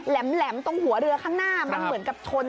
แหลมตรงหัวเรือข้างหน้ามันเหมือนกับชน